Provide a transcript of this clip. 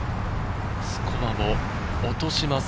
スコアを落とします。